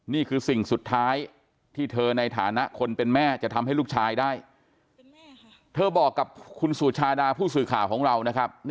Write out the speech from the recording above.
นี่คือสิ่งสุดท้ายที่เธอในฐานะคนเป็นแม่จะทำให้ลูกชายได้เธอบอกกับคุณสุชาดาผู้สื่อข่าวของเรานะครับ